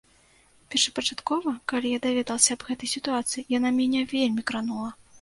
Першапачаткова, калі я даведалася аб гэтай сітуацыі, яна мяне вельмі кранула.